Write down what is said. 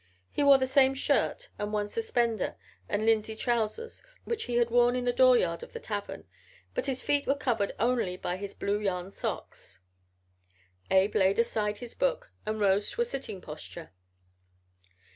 He wore the same shirt and one suspender and linsey trousers which he had worn in the dooryard of the tavern, but his feet were covered only by his blue yarn socks. Abe laid aside his book and rose to a sitting posture.